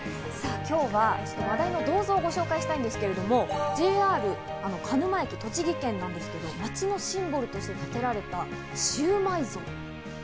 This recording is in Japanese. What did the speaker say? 今日は話題の銅像をご紹介したいんですけど、ＪＲ鹿沼駅、栃木県なんですけど街のシンボルとして建てられたシウマイ像。